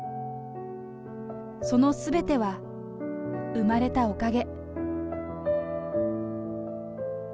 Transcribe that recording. そのすべては生まれたおかげ。